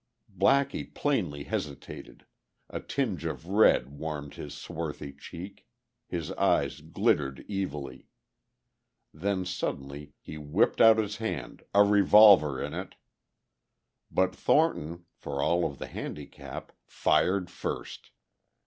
Blackie plainly hesitated; a tinge of red warmed his swarthy cheek; his eyes glittered evilly.... Then suddenly he whipped out his hand, a revolver in it.... But Thornton, for all of the handicap, fired first.